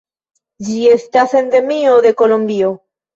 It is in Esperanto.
Ĝi estas endemio de Kolombio.